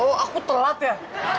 oh aku telat ya